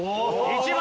１番！